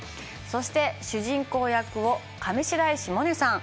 そして主人公役を上白石萌音さん。